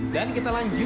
dan kita lanjut